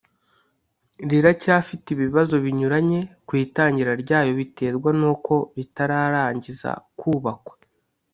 riracyafite ibibazo binyuranye ku itangira ryaryo biterwa n’uko ritararangiza kubakwa